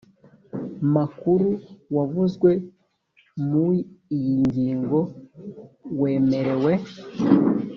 makuru wavuzwe mui iyi ngingo wemerewe